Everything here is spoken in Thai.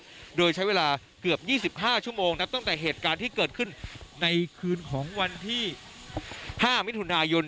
โดยใช้เวลาเกือบ๒๕ชั่วโมงนับตั้งแต่เหตุการณ์ที่เกิดขึ้นในคืนของวันที่๕มิถุนายน